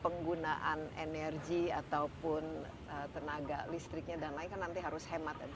penggunaan energi ataupun tenaga listriknya dan lain kan nanti harus hemat